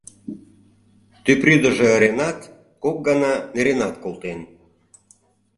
Тупрӱдыжӧ ыренат, кок гана неренат колтен.